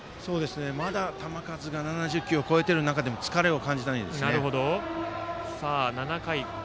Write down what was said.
まだ球数が７０球を超えている中でも疲れを感じないですね。